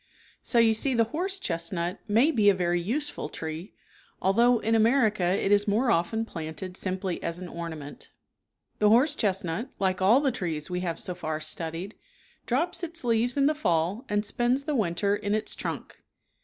So you see the horse chestnut may be a very use ful tree, although in America it is more often planted simply as an ornament. The horse chestnut, like all the trees we have so far studied, drops its leaves in the fall and spends the winter in its trunk.